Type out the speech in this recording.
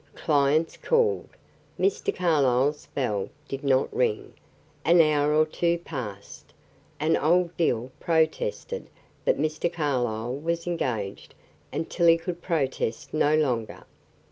Clients called; Mr. Carlyle's bell did not ring; an hour or two passed, and old Dill protested that Mr. Carlyle was engaged until he could protest no longer.